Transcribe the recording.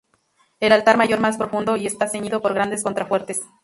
El altar mayor más profundo y está ceñido por grandes contrafuertes.